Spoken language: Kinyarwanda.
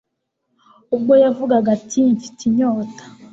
ubwo yavugaga ati, ” Mfite inyota.”